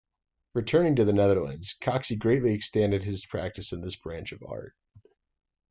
Returning to the Netherlands, Coxie greatly extended his practice in this branch of art.